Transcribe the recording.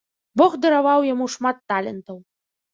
Бог дараваў яму шмат талентаў.